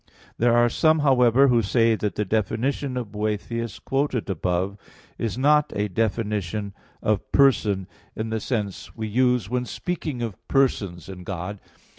There are some, however, who say that the definition of Boethius, quoted above (A. 1), is not a definition of person in the sense we use when speaking of persons in God.